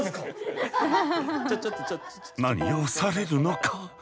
何をされるのか？